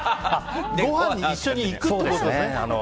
ごはんに一緒に行くってことですね。